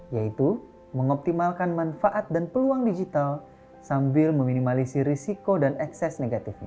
yaitu mengoptimalkan manfaat dan peluang digital sambil meminimalisi risiko dan ekses negatifnya